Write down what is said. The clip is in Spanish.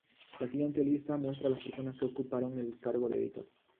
La siguiente lista muestra las personas que ocuparon el cargo de editor.